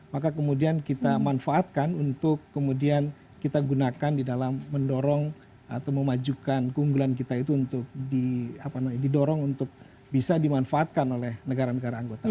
maka kemudian kita manfaatkan untuk kemudian kita gunakan di dalam mendorong atau memajukan keunggulan kita itu untuk didorong untuk bisa dimanfaatkan oleh negara negara anggota